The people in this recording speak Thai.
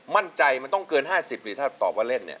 มั่นใจมันต้องเกิน๕๐หรือถ้าตอบว่าเล่นเนี่ย